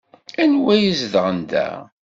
Anwa i izedɣen da?